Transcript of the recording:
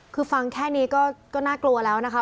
คือฟังแค่นี้ก็น่ากลัวแล้วนะคะ